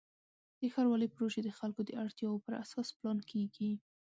د ښاروالۍ پروژې د خلکو د اړتیاوو پر اساس پلان کېږي.